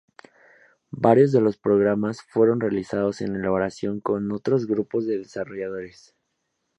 Varios de los programas fueron realizados en colaboración con otros grupos de desarrolladores.